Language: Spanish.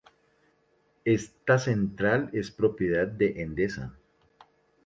Esta central es propiedad de Endesa.